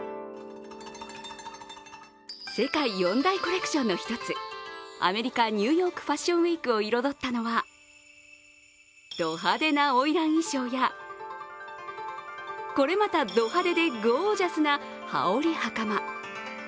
世界４大コレクションの１つ、アメリカ・ニューヨークファッションウィークを彩ったのはド派手なおいらん衣装や、これまだド派手でゴージャスな羽織はかま。